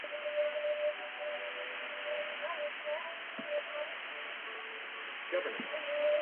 贝尔克里克斯普林斯是位于美国阿肯色州布恩县的一个非建制地区。